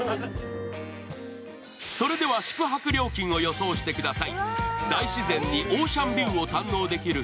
それでは宿泊料金を予想してください。